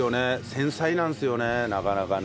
繊細なんですよねなかなかね。